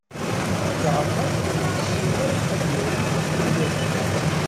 Ǧeɛfer ur yessin ara ad yaru akken iwata.